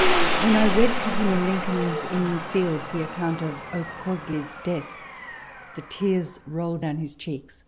When I read to him, in Lincoln's Inn Fields, the account of O'Coigly's * death, the tears rolled down his cheeks.